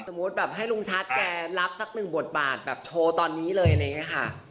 สมมุติแบบให้ลุงชัดแกรับสักหนึ่งบทบาทแบบโชว์ตอนนี้เลยแบบนี้ค่ะ